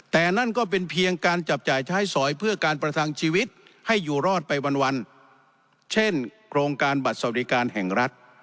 แต่นั่นก็เป็นเพียงการจับจ่ายใช้สอยเพื่อการประทังชีวิตให้อยู่รอดไปวันเช่นโครงการบัตรสวัสดิการแห่งรัฐ